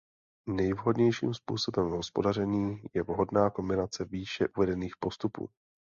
Nejvhodnějším způsobem hospodaření je vhodná kombinace výše uvedených postupů.